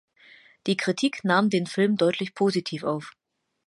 Die Kritik nahm den Film deutlich positiv auf.